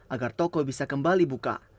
agar toko bisa kembali buka